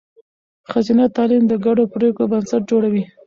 ښځینه تعلیم د ګډو پرېکړو بنسټ جوړوي.